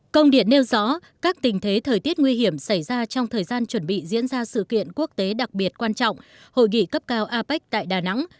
công điện nêu rõ các tình thế thời tiết nguy hiểm xảy ra trong thời gian chuẩn bị diễn ra sự kiện quốc tế đặc biệt quan trọng hội nghị cấp cao apec tại đà nẵng